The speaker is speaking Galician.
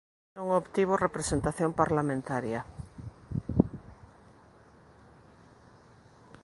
Non obtivo representación parlamentaria.